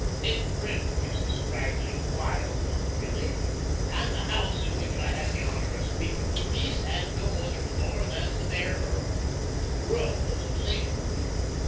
Big Creek is a straggling, wild, little village; and the house in which I had the honor of speaking a piece had no other floor than the bare earth. The roof was of sagebrush.